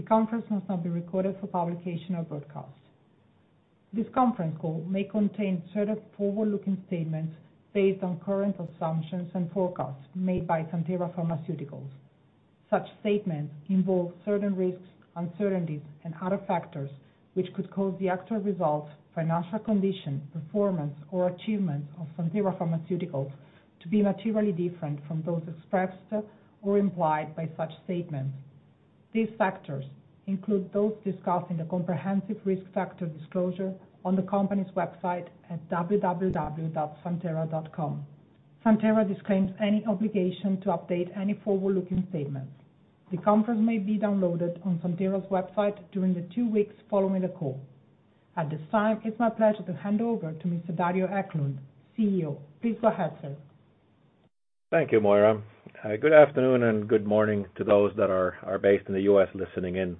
The conference must not be recorded for publication or broadcast. This conference call may contain certain forward-looking statements based on current assumptions and forecasts made by Santhera Pharmaceuticals. Such statements involve certain risks, uncertainties, and other factors which could cause the actual results, financial condition, performance, or achievements of Santhera Pharmaceuticals to be materially different from those expressed or implied by such statements. These factors include those discussed in the comprehensive risk factor disclosure on the company's website at www.santhera.com. Santhera disclaims any obligation to update any forward-looking statements. The conference may be downloaded on Santhera's website during the two weeks following the call. At this time, it's my pleasure to hand over to Mr. Dario Eklund, CEO. Please go ahead, sir. Thank you, Moira. Good afternoon and good morning to those that are based in the U.S. listening in.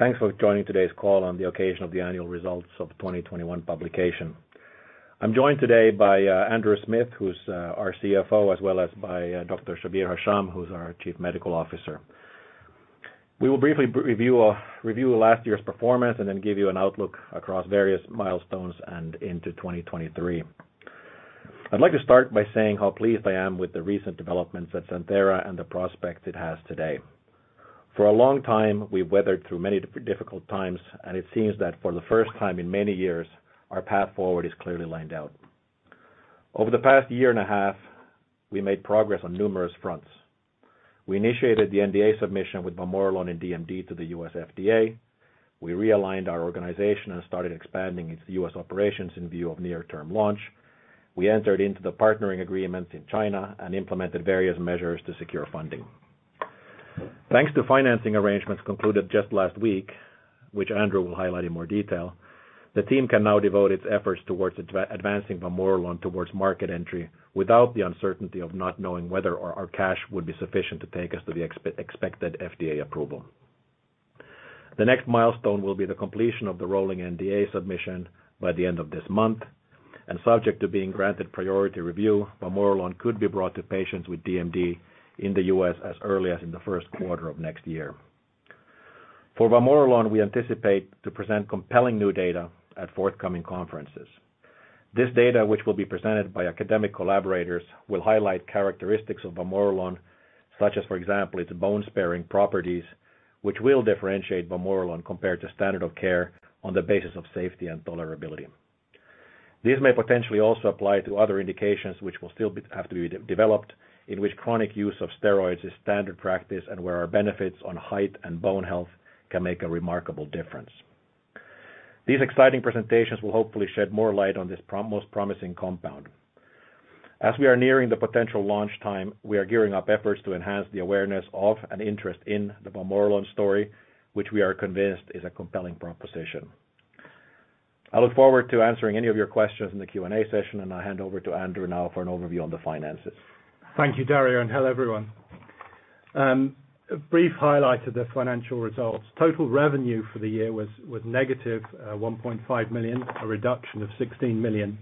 Thanks for joining today's call on the occasion of the annual results of 2021 publication. I'm joined today by Andrew Smith, who's our CFO, as well as by Dr. Shabir Hasham, who's our Chief Medical Officer. We will briefly review last year's performance and then give you an outlook across various milestones and into 2023. I'd like to start by saying how pleased I am with the recent developments at Santhera and the prospects it has today. For a long time, we've weathered through many difficult times, and it seems that for the first time in many years, our path forward is clearly lined out. Over the past year and a half, we made progress on numerous fronts. We initiated the NDA submission with vamorolone and DMD to the U.S. FDA. We realigned our organization and started expanding its U.S. operations in view of near-term launch. We entered into the partnering agreements in China and implemented various measures to secure funding. Thanks to financing arrangements concluded just last week, which Andrew will highlight in more detail, the team can now devote its efforts towards advancing vamorolone towards market entry without the uncertainty of not knowing whether our cash would be sufficient to take us to the expected FDA approval. The next milestone will be the completion of the rolling NDA submission by the end of this month. Subject to being granted priority review, vamorolone could be brought to patients with DMD in the U.S. as early as in the first quarter of next year. For vamorolone, we anticipate to present compelling new data at forthcoming conferences. This data, which will be presented by academic collaborators, will highlight characteristics of vamorolone, such as, for example, its bone-sparing properties, which will differentiate vamorolone compared to standard of care on the basis of safety and tolerability. This may potentially also apply to other indications which will still have to be developed, in which chronic use of steroids is standard practice, and where our benefits on height and bone health can make a remarkable difference. These exciting presentations will hopefully shed more light on this most promising compound. As we are nearing the potential launch time, we are gearing up efforts to enhance the awareness of and interest in the vamorolone story, which we are convinced is a compelling proposition. I look forward to answering any of your questions in the Q&A session, and I'll hand over to Andrew now for an overview on the finances. Thank you, Dario, and hello, everyone. A brief highlight of the financial results. Total revenue for the year was -1.5 million, a reduction of 16 million,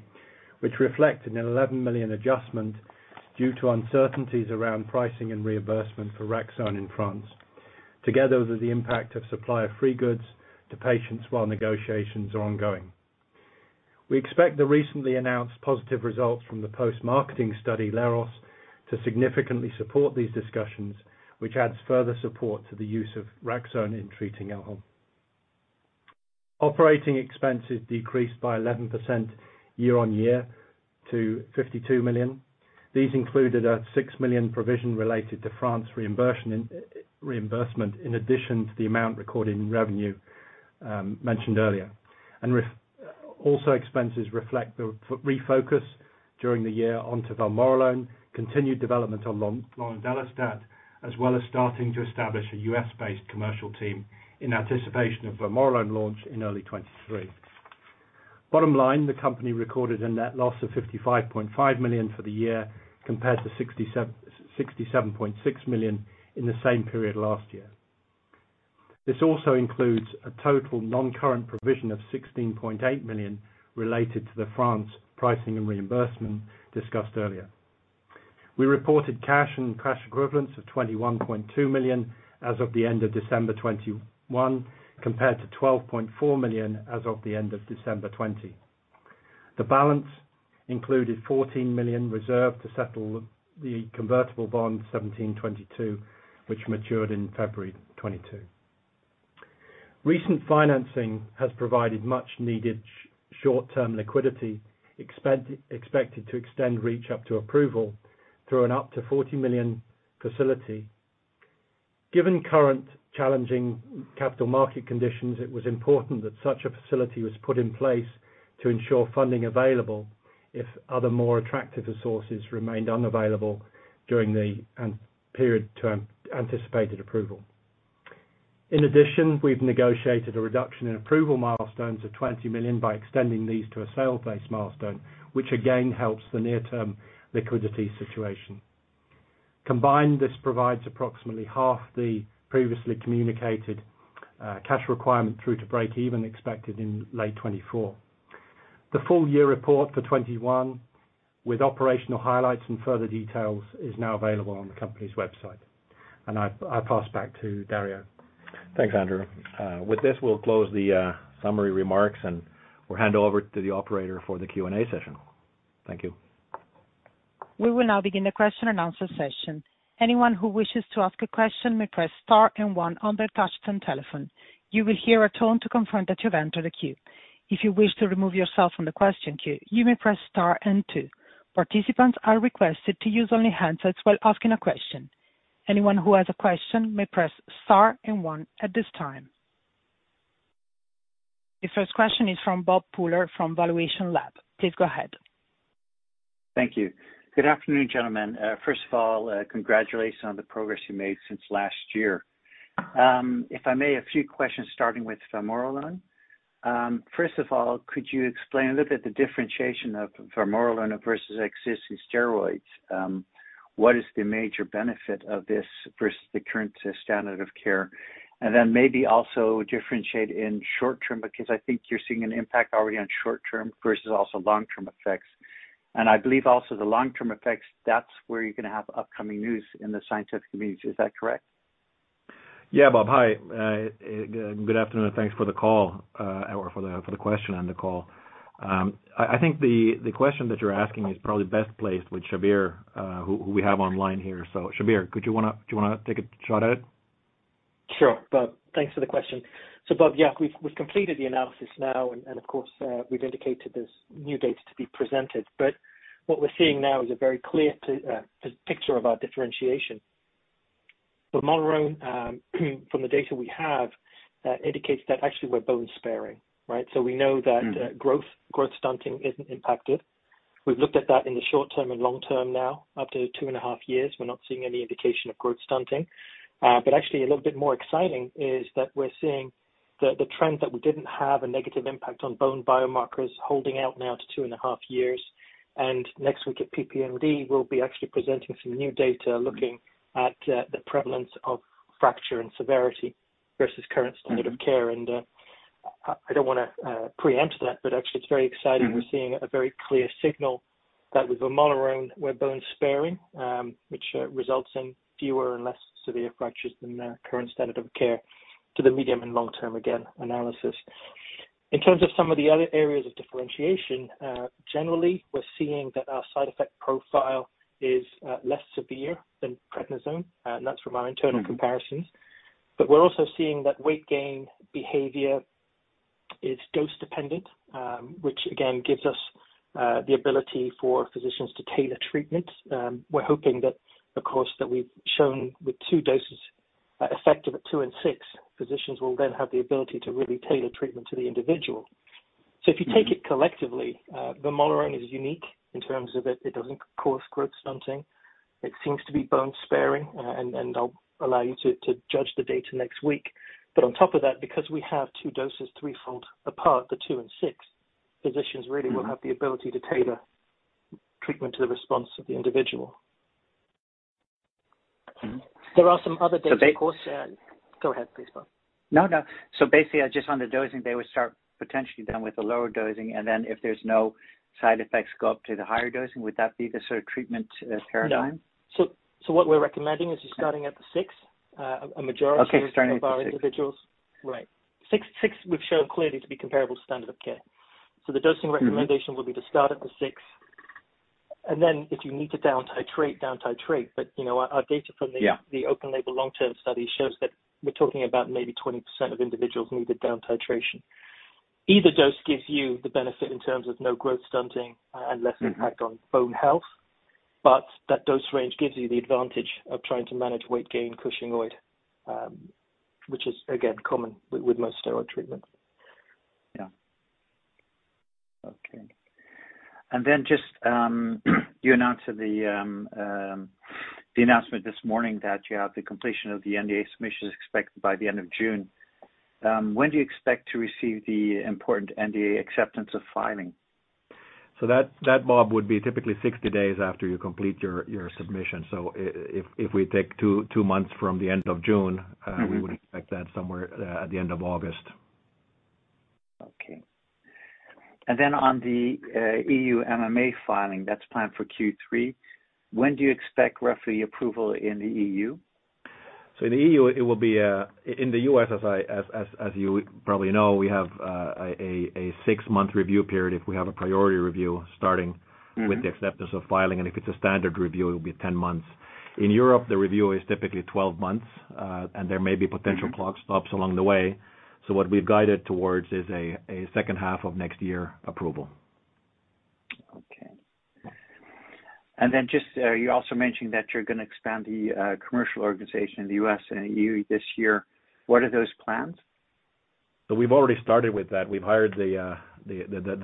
which reflected an 11 million adjustment due to uncertainties around pricing and reimbursement for Raxone in France, together with the impact of supply of free goods to patients while negotiations are ongoing. We expect the recently announced positive results from the post-marketing study, LEROS, to significantly support these discussions, which adds further support to the use of Raxone in treating LHON. Operating expenses decreased by 11% year-on-year to 52 million. These included a 6 million provision related to France reimbursement, in addition to the amount recorded in revenue mentioned earlier. Also expenses reflect the refocus during the year onto vamorolone, continued development on lonodelestat, as well as starting to establish a U.S.-based commercial team in anticipation of vamorolone launch in early 2023. Bottom line, the company recorded a net loss of 55.5 million for the year, compared to 67.6 million in the same period last year. This also includes a total non-current provision of 16.8 million related to the France pricing and reimbursement discussed earlier. We reported cash and cash equivalents of 21.2 million as of the end of December 2021, compared to 12.4 million as of the end of December 2020. The balance included 14 million reserved to settle the convertible bond 2017/22, which matured in February 2022. Recent financing has provided much needed short-term liquidity, expected to extend reach up to approval through an up to 40 million facility. Given current challenging capital market conditions, it was important that such a facility was put in place to ensure funding available if other more attractive sources remained unavailable during the period to anticipated approval. In addition, we've negotiated a reduction in approval milestones of 20 million by extending these to a sales-based milestone, which again helps the near-term liquidity situation. Combined, this provides approximately half the previously communicated cash requirement through to breakeven expected in late 2024. The full year report for 2021 with operational highlights and further details is now available on the company's website. I pass back to Dario. Thanks, Andrew. With this, we'll close the summary remarks, and we'll hand over to the operator for the Q&A session. Thank you. We will now begin the question-and-answer session. Anyone who wishes to ask a question may press star and one on their touch-tone telephone. You will hear a tone to confirm that you've entered a queue. If you wish to remove yourself from the question queue, you may press star and two. Participants are requested to use only handsets while asking a question. Anyone who has a question may press star and one at this time. The first question is from Bob Pooler from valuationLAB. Please go ahead. Thank you. Good afternoon, gentlemen. First of all, congratulations on the progress you made since last year. If I may, a few questions, starting with vamorolone. First of all, could you explain a little bit the differentiation of vamorolone versus existing steroids? What is the major benefit of this versus the current standard of care? Then maybe also differentiate in short-term, because I think you're seeing an impact already on short-term versus also long-term effects. I believe also the long-term effects, that's where you're gonna have upcoming news in the scientific community. Is that correct? Yeah, Bob. Hi, good afternoon, and thanks for the call, or for the question on the call. I think the question that you're asking is probably best placed with Shabbir, who we have online here. Shabbir, do you wanna take a shot at it? Sure. Bob, thanks for the question. Bob, yeah, we've completed the analysis now, and of course, we've indicated there's new data to be presented, but what we're seeing now is a very clear picture of our differentiation. Vamorolone, from the data we have, indicates that actually we're bone sparing, right? We know that- Mm. growth stunting isn't impacted. We've looked at that in the short-term and long-term now, up to 2.5 years, we're not seeing any indication of growth stunting. But actually a little bit more exciting is that we're seeing the trend that we didn't have a negative impact on bone biomarkers holding out now to 2.5 years. Next week at PPMD, we'll be actually presenting some new data looking at the prevalence of fracture and severity versus current standard- Mm. of care. I don't wanna preempt that, but actually it's very exciting. Mm. We're seeing a very clear signal that with vamorolone, we're bone sparing, which results in fewer and less severe fractures than the current standard of care to the medium and long-term, again, analysis. In terms of some of the other areas of differentiation, generally, we're seeing that our side effect profile is less severe than prednisone, and that's from our internal comparisons. Mm. We're also seeing that weight gain behavior is dose-dependent, which again gives us the ability for physicians to tailor treatment. We're hoping that, of course, that we've shown with two doses, effective at 2 and 6, physicians will then have the ability to really tailor treatment to the individual. Mm. If you take it collectively, vamorolone is unique in terms of it doesn't cause growth stunting. It seems to be bone sparing, and I'll allow you to judge the data next week. On top of that, because we have two doses threefold apart, the 2 and 6, physicians really- Mm. will have the ability to tailor treatment to the response of the individual. Mm-hmm. There are some other data, of course. So ba- Go ahead, please, Bob. No, no. Basically just on the dosing, they would start potentially then with the lower dosing, and then if there's no side effects, go up to the higher dosing. Would that be the sort of treatment paradigm? No. What we're recommending is just starting at the 6, a majority- Okay, starting at the 6. of our individuals. Right. 6 we've shown clearly to be comparable to standard of care. The dosing recommendation Mm-hmm. Will be to start at the 6. If you need to down titrate. You know, our data from the Yeah. The open-label long-term study shows that we're talking about maybe 20% of individuals needed down-titration. Either dose gives you the benefit in terms of no growth stunting, and less impact- Mm. on bone health, but that dose range gives you the advantage of trying to manage weight gain, cushingoid, which is again common with most steroid treatment. You announced the announcement this morning that you have the completion of the NDA submissions expected by the end of June. When do you expect to receive the important NDA acceptance of filing? That, Bob, would be typically 60 days after you complete your submission. If we take two months from the end of June- Mm-hmm. we would expect that somewhere, at the end of August. Okay. On the EU MAA filing, that's planned for Q3, when do you expect roughly approval in the EU? In the EU it will be. In the U.S., as you probably know, we have a six-month review period if we have a priority review starting,- Mm-hmm. with the acceptance of filing, and if it's a standard review, it'll be 10 months. In Europe, the review is typically 12 months, and there may be potential clock stops on the way, Mm-hmm. what we've guided towards is a second half of next year approval. Okay. Just, you also mentioned that you're gonna expand the commercial organization in the U.S. and E.U. this year. What are those plans? We've already started with that. We've hired the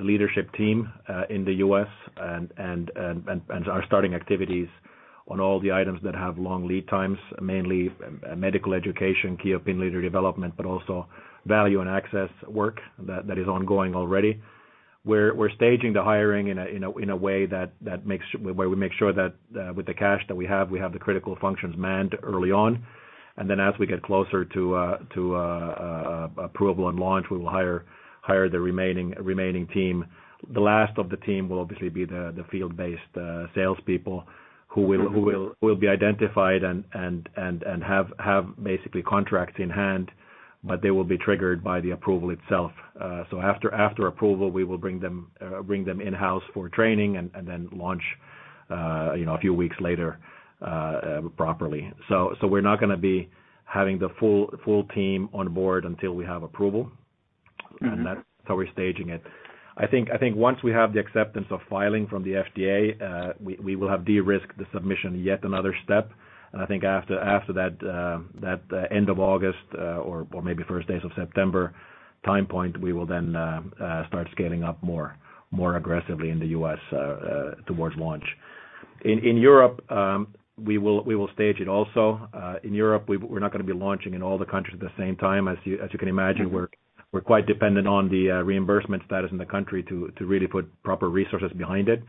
leadership team in the U.S. and are starting activities on all the items that have long lead times, mainly medical education, key opinion leader development, but also value and access work that is ongoing already. We're staging the hiring in a way that makes where we make sure that with the cash that we have, we have the critical functions manned early on, and then as we get closer to approval and launch, we will hire the remaining team. The last of the team will obviously be the field-based salespeople who will be identified and have basically contracts in hand, but they will be triggered by the approval itself. After approval, we will bring them in-house for training and then launch, you know, a few weeks later, properly. We're not gonna be having the full team on board until we have approval. Mm-hmm. That's how we're staging it. I think once we have the acceptance of filing from the FDA, we will have de-risked the submission yet another step. I think after that, end of August or maybe first days of September time point, we will then start scaling up more aggressively in the U.S. towards launch. In Europe, we will stage it also. In Europe, we're not gonna be launching in all the countries at the same time. As you can imagine, Mm-hmm. we're quite dependent on the reimbursement status in the country to really put proper resources behind it.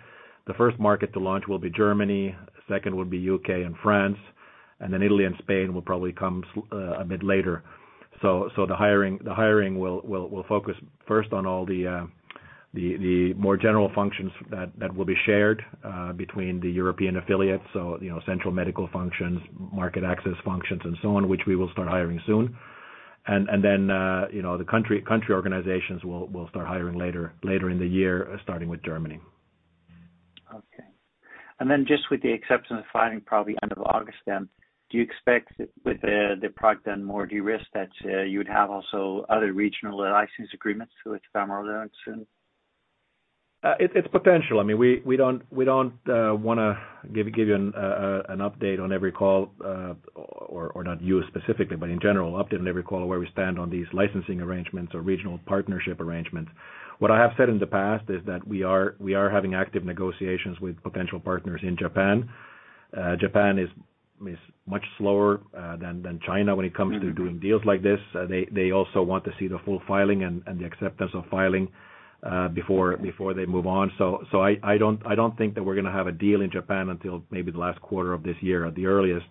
The first market to launch will be Germany, second will be U.K. and France, and then Italy and Spain will probably come a bit later. The hiring will focus first on all the more general functions that will be shared between the European affiliates, you know, central medical functions, market access functions and so on, which we will start hiring soon. Then, you know, the country organizations we'll start hiring later in the year, starting with Germany. Okay. Just with the acceptance of filing probably end of August, do you expect with the product then more de-risk that you would have also other regional license agreements which come around soon? It's potential. I mean, we don't wanna give you an update on every call, or not you specifically, but in general, update on every call where we stand on these licensing arrangements or regional partnership arrangements. What I have said in the past is that we are having active negotiations with potential partners in Japan. Japan is much slower than China when it comes to doing deals like this. They also want to see the full filing and the acceptance of filing before they move on. I don't think that we're gonna have a deal in Japan until maybe the last quarter of this year at the earliest.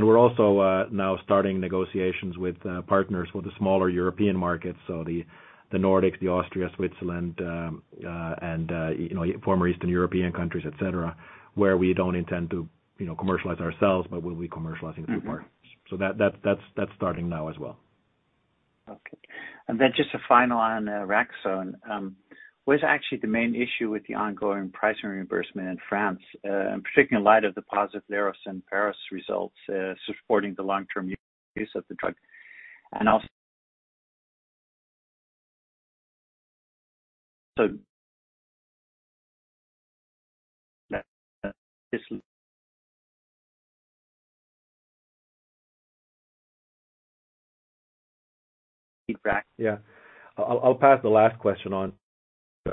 We're also now starting negotiations with partners with the smaller European markets, so the Nordics, Austria, Switzerland, and you know, former Eastern European countries, et cetera, where we don't intend to you know, commercialize ourselves, but we'll be commercializing through partners. Mm-hmm. That's starting now as well. Okay. Just a final on Raxone. What is actually the main issue with the ongoing price reimbursement in France, and particularly in light of the positive LEROS and PHAROS results supporting the long-term use of the drug? Yeah. I'll pass the last question on.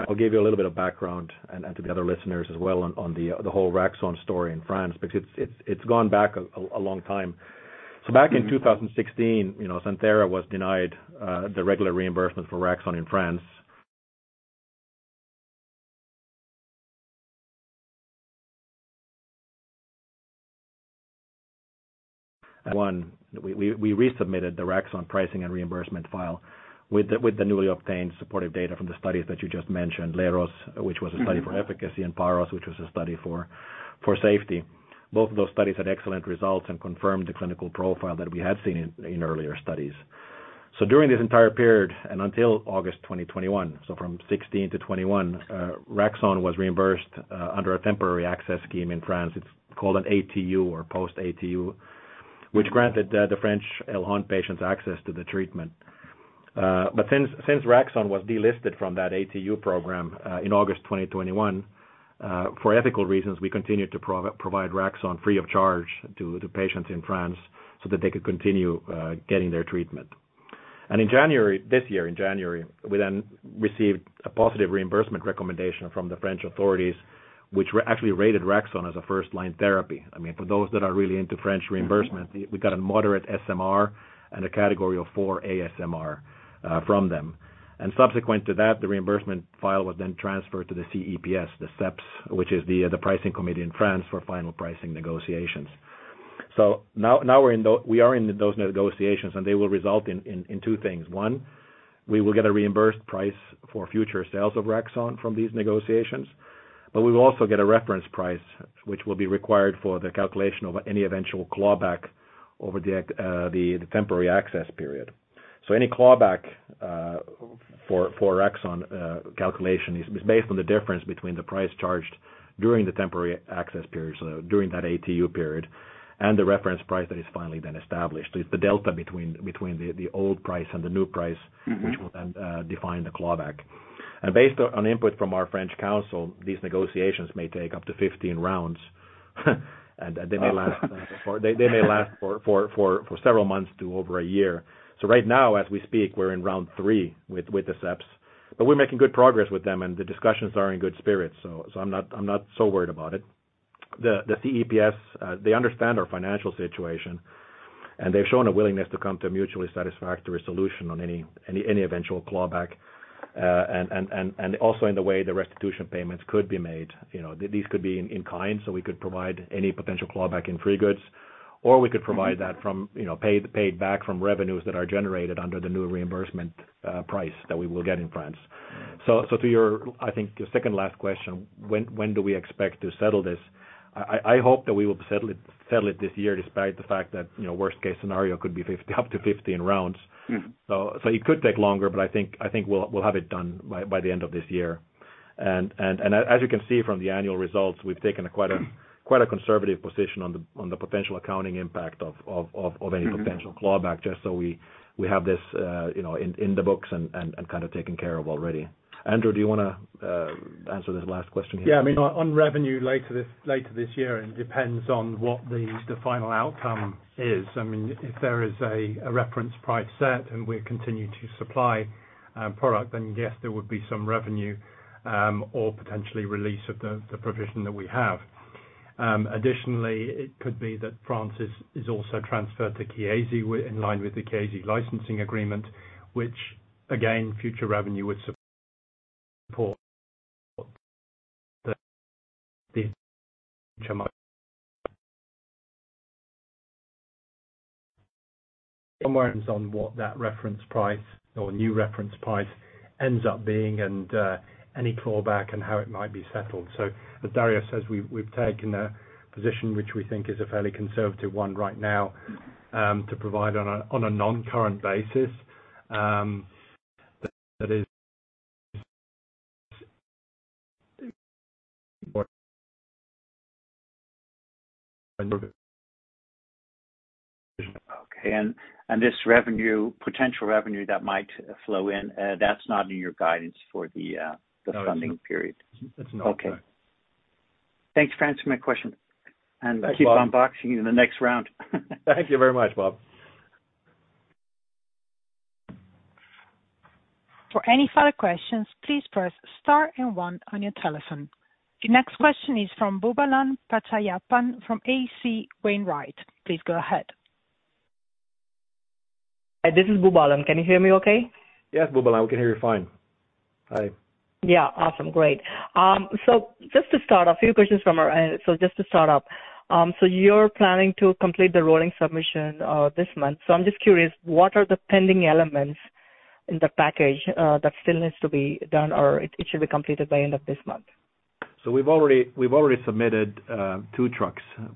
I'll give you a little bit of background and to the other listeners as well on the whole Raxone story in France, because it's gone back a long time. Mm-hmm. Back in 2016, you know, Santhera was denied the regular reimbursement for Raxone in France. We resubmitted the Raxone pricing and reimbursement file with the newly obtained supportive data from the studies that you just mentioned, LEROS, which was a study for efficacy and- Mm-hmm. PHAROS, which was a study for safety. Both of those studies had excellent results and confirmed the clinical profile that we had seen in earlier studies. During this entire period and until August 2021, from 2016 to 2021, Raxone was reimbursed under a temporary access scheme in France. It's called an ATU or post ATU, which granted the French LHON patients access to the treatment. Since Raxone was delisted from that ATU program in August 2021, for ethical reasons, we continued to provide Raxone free of charge to patients in France so that they could continue getting their treatment. In January this year, we received a positive reimbursement recommendation from the French authorities, which actually rated Raxone as a first-line therapy. I mean, for those that are really into French reimbursement. Mm-hmm. We got a moderate SMR and a category of four ASMR from them. Subsequent to that, the reimbursement file was then transferred to the CEPS, which is the pricing committee in France for final pricing negotiations. Now we are in those negotiations, and they will result in two things. One, we will get a reimbursed price for future sales of Raxone from these negotiations, but we will also get a reference price, which will be required for the calculation of any eventual clawback over the temporary access period. Any clawback for Raxone calculation is based on the difference between the price charged during the temporary access period, so during that ATU period, and the reference price that is finally then established. It's the delta between the old price and the new price- Mm-hmm. which will then define the clawback. Based on input from our French counsel, these negotiations may take up to 15 rounds and they may last for several months to over a year. Right now, as we speak, we're in round 3 with the CEPS, but we're making good progress with them, and the discussions are in good spirits, so I'm not so worried about it. The CEPS, they understand our financial situation, and they've shown a willingness to come to a mutually satisfactory solution on any eventual clawback, and also in the way the restitution payments could be made. You know, these could be in kind, so we could provide any potential clawback in free goods, or we could provide that from, you know, paid back from revenues that are generated under the new reimbursement price that we will get in France. To your, I think, second last question, when do we expect to settle this? I hope that we will settle it this year despite the fact that, you know, worst case scenario could be 50, up to 15 rounds. Mm. It could take longer, but I think we'll have it done by the end of this year. As you can see from the annual results, we've taken quite a conservative position on the potential accounting impact of any- Mm-hmm. potential clawback, just so we have this, you know, in the books and kind of taken care of already. Andrew, do you wanna answer this last question here? Yeah. I mean, on revenue later this year, it depends on what the final outcome is. I mean, if there is a reference price set and we continue to supply product, then yes, there would be some revenue, or potentially release of the provision that we have. Additionally, it could be that France is also transferred to Chiesi in line with the Chiesi licensing agreement, which again, future revenue would support the. Somewhere on what that reference price or new reference price ends up being and any clawback and how it might be settled. As Dario says, we've taken a position which we think is a fairly conservative one right now, to provide on a non-current basis, that is. Okay. This revenue, potential revenue that might flow in, that's not in your guidance for the- No, it's not. the funding period. It's not, no. Okay. Thanks for answering my question. Thanks, Bob. Keep on boxing in the next round. Thank you very much, Bob. For any further questions, please press star and one on your telephone. The next question is from Swayampakula Ramakanth from H.C. Wainwright. Please go ahead. This is Swayampakula Ramakanth. Can you hear me okay? Yes, Ramakanth, we can hear you fine. Hi. Yeah. Awesome, great. Just to start, a few questions from our end. Just to start off, you're planning to complete the rolling submission this month. I'm just curious, what are the pending elements in the package that still needs to be done or it should be completed by end of this month? We've already submitted two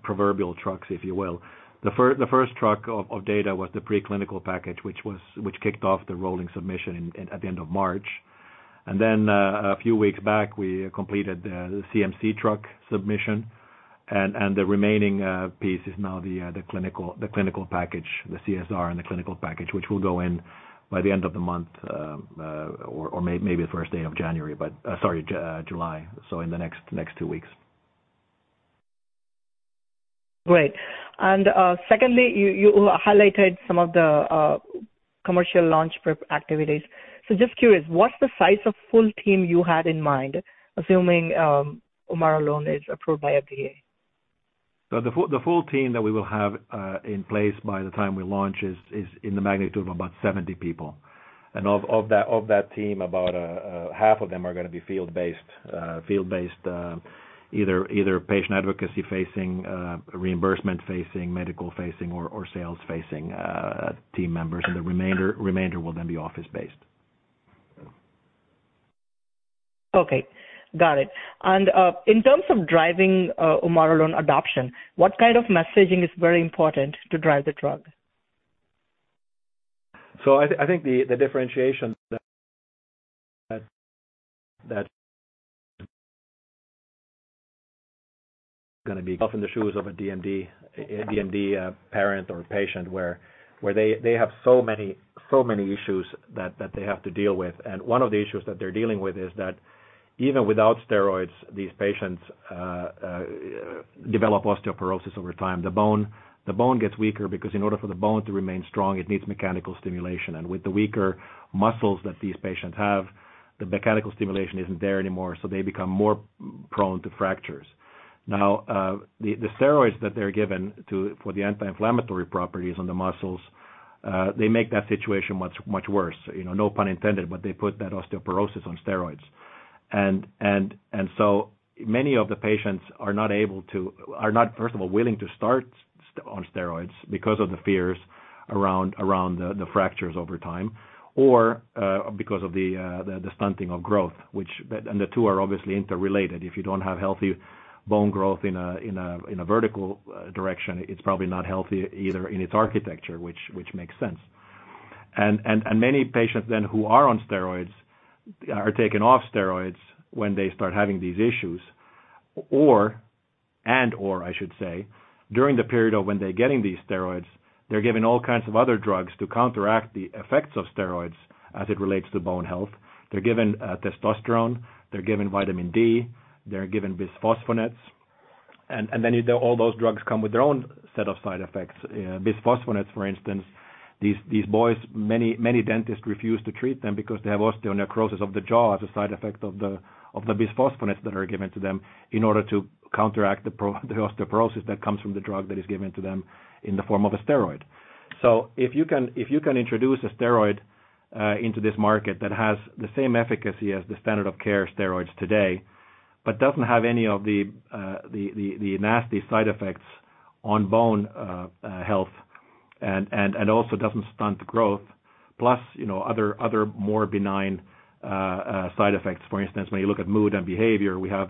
proverbial trucks, if you will. The first truck of data was the preclinical package, which kicked off the rolling submission at the end of March. A few weeks back, we completed the CMC truck submission. The remaining piece is now the clinical package, the CSR and the clinical package, which will go in by the end of the month, or maybe the first day of July. In the next two weeks. Great. Secondly, you highlighted some of the commercial launch prep activities. Just curious, what's the size of full team you had in mind, assuming vamorolone is approved by FDA? The full team that we will have in place by the time we launch is in the magnitude of about 70 people. Of that team, about half of them are gonna be field-based, either patient advocacy facing, reimbursement facing, medical facing or sales facing team members. The remainder will then be office based. Okay. Got it. In terms of driving vamorolone adoption, what kind of messaging is very important to drive uptake? I think the differentiation in the shoes of a DMD parent or patient where they have so many issues that they have to deal with. One of the issues that they're dealing with is that even without steroids, these patients develop osteoporosis over time. The bone gets weaker because in order for the bone to remain strong, it needs mechanical stimulation. With the weaker muscles that these patients have, the mechanical stimulation isn't there anymore, so they become more prone to fractures. Now, the steroids that they're given to for the anti-inflammatory properties on the muscles, they make that situation much worse. You know, no pun intended, but they put that osteoporosis on steroids. Many of the patients are not, first of all, willing to start on steroids because of the fears around the fractures over time or because of the stunting of growth, which and the two are obviously interrelated. If you don't have healthy bone growth in a vertical direction, it's probably not healthy either in its architecture, which makes sense. Many patients then who are on steroids are taken off steroids when they start having these issues, or, and/or I should say, during the period of when they're getting these steroids, they're given all kinds of other drugs to counteract the effects of steroids as it relates to bone health. They're given testosterone, they're given vitamin D, they're given bisphosphonates. All those drugs come with their own set of side effects. Bisphosphonates, for instance, these boys, many dentists refuse to treat them because they have osteonecrosis of the jaw as a side effect of the bisphosphonates that are given to them in order to counteract the osteoporosis that comes from the drug that is given to them in the form of a steroid. If you can introduce a steroid into this market that has the same efficacy as the standard of care steroids today, but doesn't have any of the nasty side effects on bone health and also doesn't stunt the growth plus, you know, other more benign side effects. For instance, when you look at mood and behavior, we have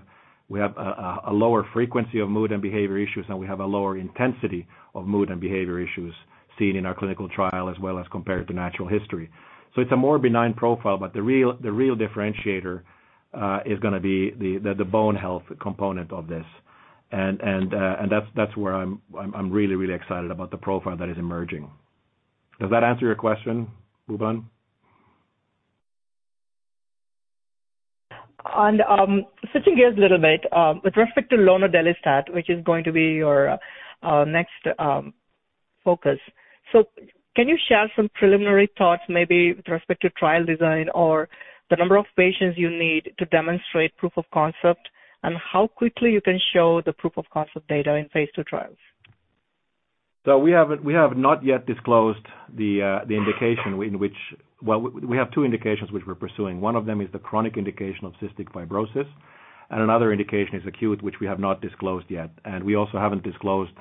a lower frequency of mood and behavior issues, and we have a lower intensity of mood and behavior issues seen in our clinical trial as well as compared to natural history. It's a more benign profile, but the real differentiator is gonna be the bone health component of this. That's where I'm really excited about the profile that is emerging. Does that answer your question, Swayampakula Ramakanth? Switching gears a little bit, with respect to lonodelestat, which is going to be your next focus. Can you share some preliminary thoughts maybe with respect to trial design or the number of patients you need to demonstrate proof of concept and how quickly you can show the proof of concept data in phase II trials? We have not yet disclosed the indication in which we have two indications which we're pursuing. One of them is the chronic indication of cystic fibrosis, and another indication is acute, which we have not disclosed yet. We also haven't disclosed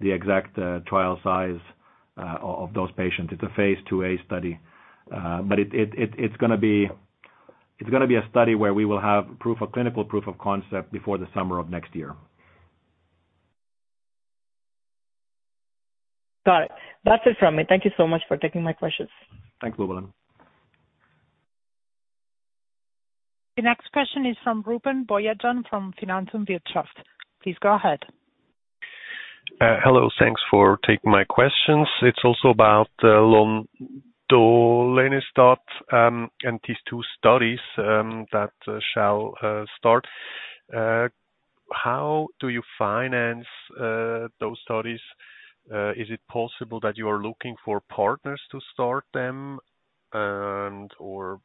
the exact trial size of those patients. It's a phase IIa study. It's gonna be a study where we will have clinical proof of concept before the summer of next year. Got it. That's it from me. Thank you so much for taking my questions. Thanks, Ramakanth. The next question is from Ruben Boyajian from Finanz und Wirtschaft. Please go ahead. Hello. Thanks for taking my questions. It's also about lonodelestat and these two studies that shall start. How do you finance those studies? Is it possible that you are looking for partners to start them and/or,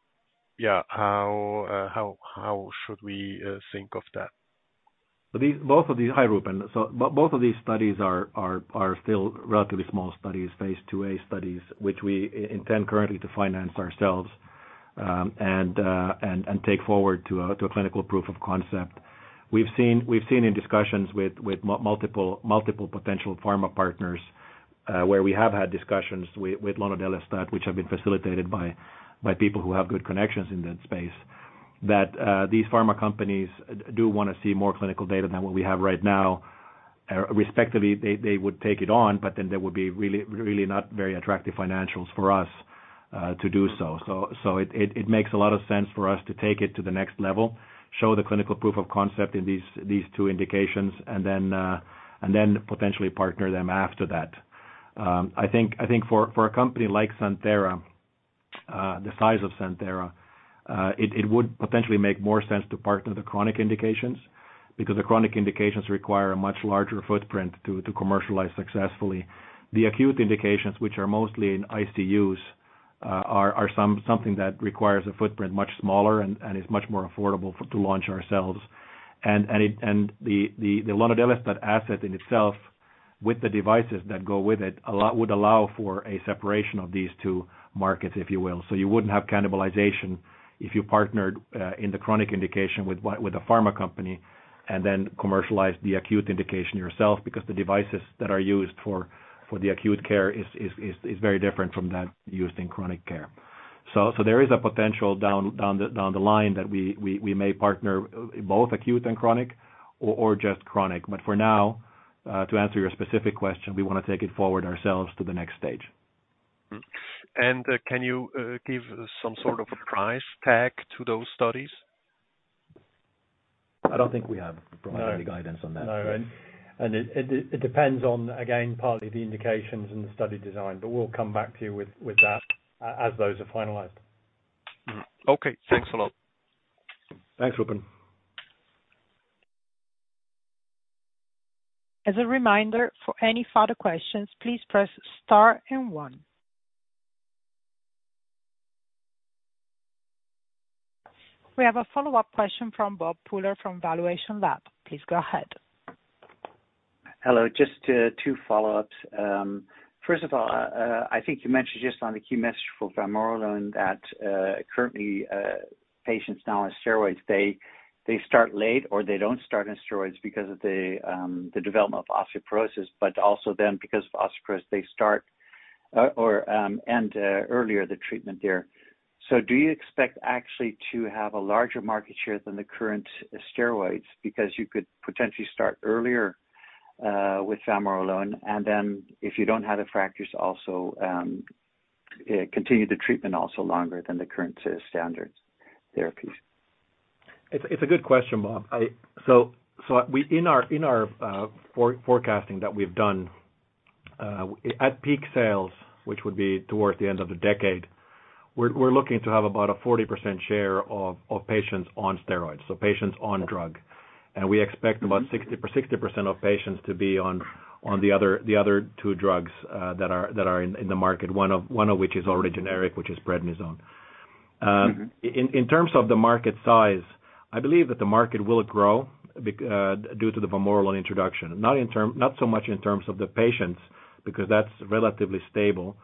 yeah, how should we think of that? Both of these studies are still relatively small studies, phase IIa studies, which we intend currently to finance ourselves and take forward to a clinical proof of concept. We've seen in discussions with multiple potential pharma partners, where we have had discussions with lonodelestat, which have been facilitated by people who have good connections in that space, that these pharma companies do wanna see more clinical data than what we have right now. Respectively, they would take it on, but then there would be really not very attractive financials for us to do so. It makes a lot of sense for us to take it to the next level, show the clinical proof of concept in these two indications and then potentially partner them after that. I think for a company like Santhera, the size of Santhera, it would potentially make more sense to partner the chronic indications because the chronic indications require a much larger footprint to commercialize successfully. The acute indications, which are mostly in ICUs, are something that requires a footprint much smaller and is much more affordable to launch ourselves. The lonodelestat asset in itself with the devices that go with it would allow for a separation of these two markets, if you will. You wouldn't have cannibalization if you partnered in the chronic indication with a pharma company and then commercialized the acute indication yourself because the devices that are used for the acute care is very different from that used in chronic care. There is a potential down the line that we may partner both acute and chronic or just chronic. For now, to answer your specific question, we wanna take it forward ourselves to the next stage. Can you give some sort of a price tag to those studies? I don't think we have provided any guidance on that. No. It depends on, again, partly the indications and the study design, but we'll come back to you with that as those are finalized. Mm-hmm. Okay. Thanks a lot. Thanks, Ruben. As a reminder, for any further questions, please press star and one. We have a follow-up question from Bob Pooler from valuationLAB. Please go ahead. Hello, just two follow-ups. First of all, I think you mentioned just on the key message for vamorolone that currently patients now on steroids, they start late or they don't start on steroids because of the development of osteoporosis, but also then because of osteoporosis, they end earlier the treatment there. Do you expect actually to have a larger market share than the current steroids because you could potentially start earlier with vamorolone and then if you don't have the fractures also continue the treatment also longer than the current standard therapies? It's a good question, Bob. We, in our forecasting that we've done, at peak sales, which would be towards the end of the decade, we're looking to have about a 40% share of patients on steroids, so patients on drug. We expect about 60% of patients to be on the other two drugs that are in the market, one of which is already generic, which is prednisone. In terms of the market size, I believe that the market will grow due to the vamorolone introduction, not so much in terms of the patients, because that's relatively stable,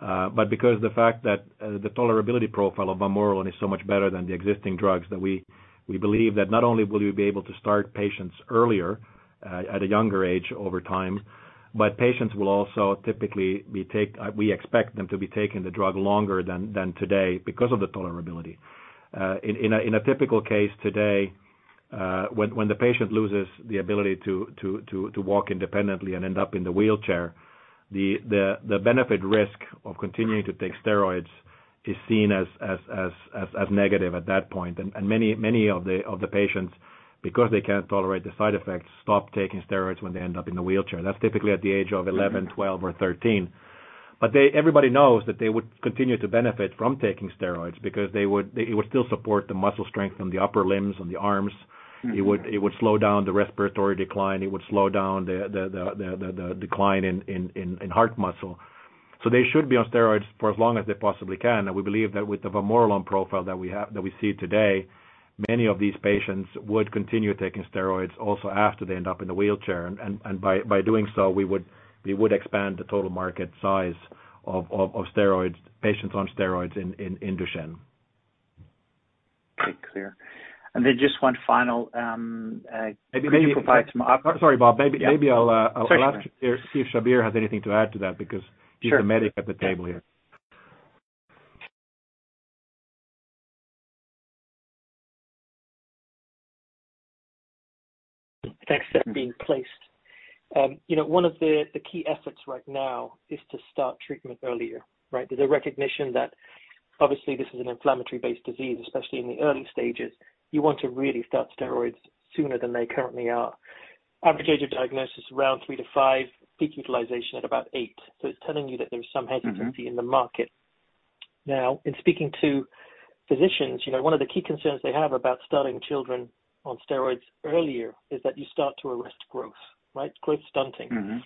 but because the fact that the tolerability profile of vamorolone is so much better than the existing drugs that we believe that not only will you be able to start patients earlier at a younger age over time, but patients will also typically we expect them to be taking the drug longer than today because of the tolerability. In a typical case today, when the patient loses the ability to walk independently and ends up in the wheelchair, the benefit risk of continuing to take steroids is seen as negative at that point. Many of the patients, because they can't tolerate the side effects, stop taking steroids when they end up in the wheelchair. That's typically at the age of 11, 12 or 13. Everybody knows that they would continue to benefit from taking steroids because it would still support the muscle strength in the upper limbs and the arms. Mm-hmm. It would slow down the respiratory decline. It would slow down the decline in heart muscle. They should be on steroids for as long as they possibly can. We believe that with the vamorolone profile that we have, that we see today, many of these patients would continue taking steroids also after they end up in the wheelchair. By doing so, we would expand the total market size of steroids, patients on steroids in Duchenne. Very clear. Just one final. Maybe Could you provide some? I'm sorry, Bob. Yeah. Maybe I'll ask. It's okay. See if Shabir has anything to add to that. Sure. The medic at the table here. Thanks. That being said. You know, one of the key efforts right now is to start treatment earlier, right? There's a recognition that obviously this is an inflammatory-based disease, especially in the early stages. You want to really start steroids sooner than they currently are. Average age of diagnosis around three to five. Peak utilization at about 8. It's telling you that there's some hesitancy. Mm-hmm. In the market. Now, in speaking to physicians, you know, one of the key concerns they have about starting children on steroids earlier is that you start to arrest growth, right? Growth stunting. Mm-hmm.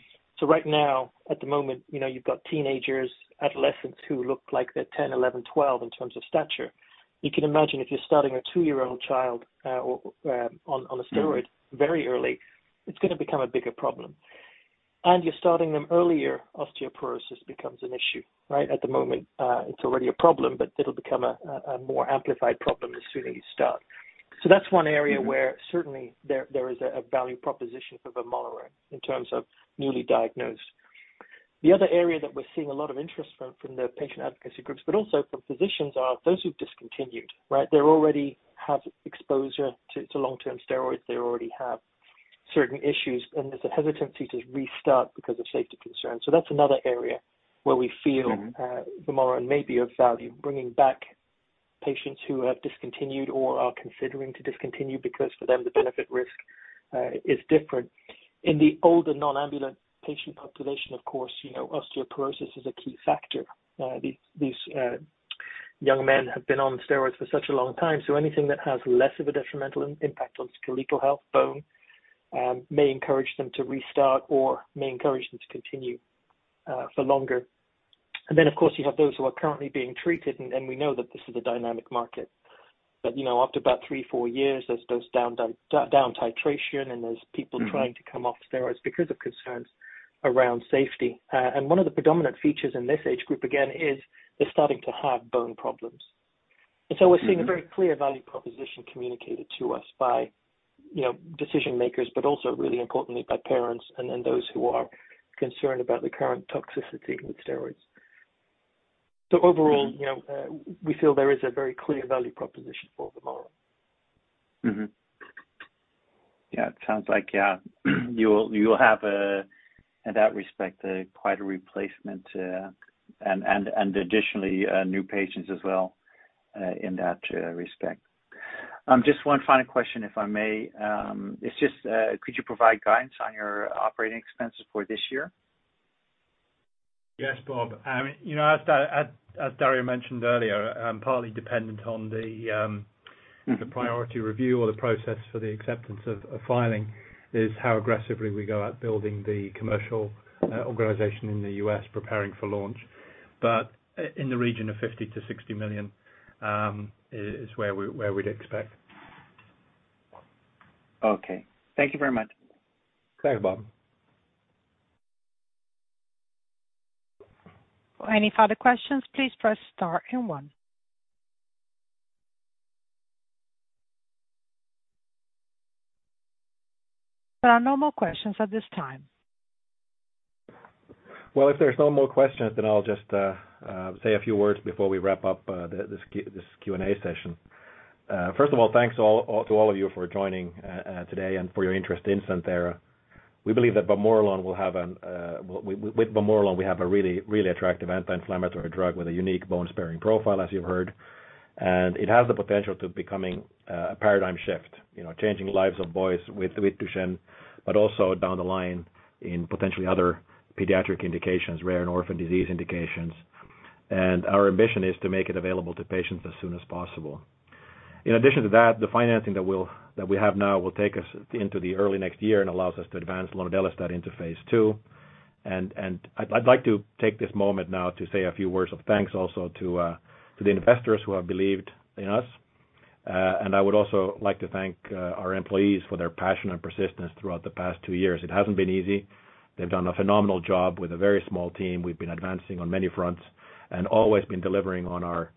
Right now, at the moment, you know, you've got teenagers, adolescents who look like they're 10, 11, 12 in terms of stature. You can imagine if you're starting a two-year-old child on a steroid. Mm. Very early, it's gonna become a bigger problem. You're starting them earlier, osteoporosis becomes an issue, right? At the moment, it's already a problem, but it'll become a more amplified problem the sooner you start. That's one area where- Mm-hmm. certainly there is a value proposition for vamorolone in terms of newly diagnosed. The other area that we're seeing a lot of interest from the patient advocacy groups, but also from physicians, are those who've discontinued, right? They already have exposure to long-term steroids. They already have certain issues, and there's a hesitancy to restart because of safety concerns. That's another area where we feel- Mm-hmm. vamorolone may be of value, bringing back patients who have discontinued or are considering to discontinue because for them the benefit risk is different. In the older non-ambulant patient population, of course, you know, osteoporosis is a key factor. These young men have been on steroids for such a long time, so anything that has less of a detrimental impact on skeletal health, bone, may encourage them to restart or may encourage them to continue for longer. Then of course, you have those who are currently being treated and we know that this is a dynamic market. You know, after about three, four years, there's those down titration. Mm. Trying to come off steroids because of concerns around safety. One of the predominant features in this age group, again, is they're starting to have bone problems. Mm-hmm. We're seeing a very clear value proposition communicated to us by, you know, decision makers, but also really importantly by parents and then those who are concerned about the current toxicity with steroids. Overall- Mm. You know, we feel there is a very clear value proposition for vamorolone. Mm-hmm. Yeah. It sounds like, yeah, you'll have, in that respect, quite a replacement, and additionally, new patients as well, in that respect. Just one final question, if I may. It's just, could you provide guidance on your operating expenses for this year? Yes, Bob. You know, as Dario mentioned earlier, partly dependent on the, Mm-hmm. The priority review or the process for the acceptance of filing is how aggressively we go about building the commercial organization in the US preparing for launch. In the region of 50 million-60 million is where we'd expect. Okay. Thank you very much. Thanks, Bob. Any further questions, please press star and one. There are no more questions at this time. Well, if there's no more questions, then I'll just say a few words before we wrap up this Q&A session. First of all, thanks to all of you for joining today and for your interest in Santhera. We believe that vamorolone will have an... With vamorolone we have a really attractive anti-inflammatory drug with a unique bone-sparing profile, as you've heard. It has the potential to becoming a paradigm shift, you know, changing the lives of boys with Duchenne, but also down the line in potentially other pediatric indications, rare and orphan disease indications. Our ambition is to make it available to patients as soon as possible. In addition to that, the financing that we have now will take us into the early next year and allows us to advance lonodelestat into phase II. I'd like to take this moment now to say a few words of thanks also to the investors who have believed in us. I would also like to thank our employees for their passion and persistence throughout the past two years. It hasn't been easy. They've done a phenomenal job with a very small team. We've been advancing on many fronts and always been delivering on our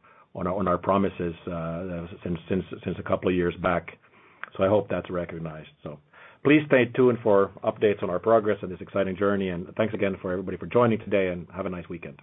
promises since a couple of years back. I hope that's recognized. Please stay tuned for updates on our progress on this exciting journey. Thanks again for everybody for joining today, and have a nice weekend.